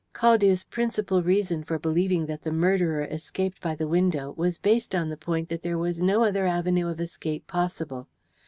"Caldew's principal reason for believing that the murderer escaped by the window was based on the point that there was no other avenue of escape possible.